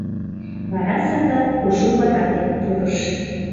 Вара Сакар кужу вара дене пурыш.